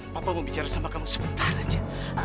papa mau bicara sama kamu sebentar aja